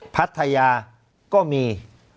พัทยาก็มี